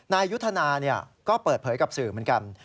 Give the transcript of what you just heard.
นายยุทธนาก็เปิดเผยกับสื่อเหมือนกัน